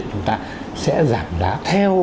chúng ta sẽ giảm giá theo